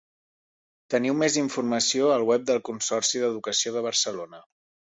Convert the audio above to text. Teniu més informació al web del Consorci d'Educació de Barcelona.